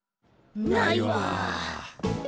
ないわ。